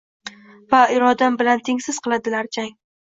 Va irodam bilan tengsiz qildilar jang.